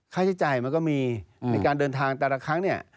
ค่าใช้จ่ายมันก็มีในการเดินทางแต่ละครั้งเนี่ย